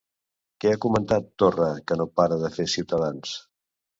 Què ha comentat Torra que no para de fer Ciutadans?